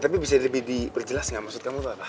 tapi bisa lebih diperjelas gak maksud kamu